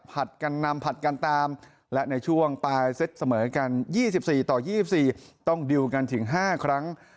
กันนำผัดกันตามและในช่วงปลายเซตเสมอกัน๒๔ต่อ๒๔ต้องดิวกันถึง๕ครั้ง